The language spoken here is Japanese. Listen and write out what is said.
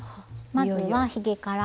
まずはひげから。